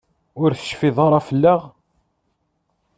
Ur tecfiḍ ara fell-aɣ?